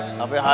aku pun baca